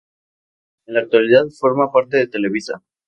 En la actualidad forma parte de Televisa.